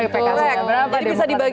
pks minta berapa